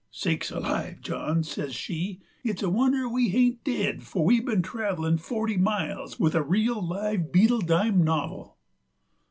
"Sakes alive, John," says she, "it's a wonder we hain't dead, for we've been travellin' forty miles with a real live Beadle dime novvell!"